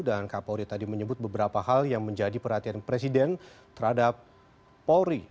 dan kapolri tadi menyebut beberapa hal yang menjadi perhatian presiden terhadap polri